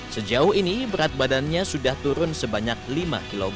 sejauh ini berat badannya sudah turun sebanyak lima kg